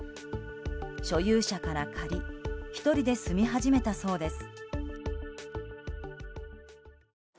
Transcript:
所有者から借り１人で住み始めたそうです。